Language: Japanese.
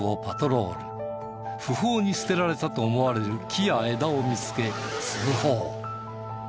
不法に捨てられたと思われる木や枝を見つけ通報。